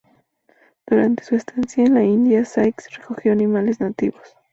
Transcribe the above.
Durante su estancia en la India, Sykes recogió animales nativos.